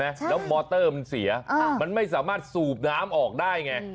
แล้วมอเตอร์มันเสียมันไม่สามารถสูบน้ำออกได้ไง